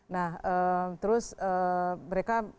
nah terus mereka